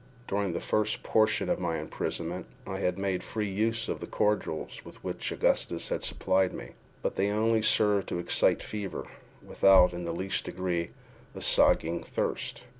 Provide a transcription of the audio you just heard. During the first portion of my imprisonment I had made free use of the cordials with which Augustus had supplied me, but they only served to excite fever, without in the least degree assuaging thirst.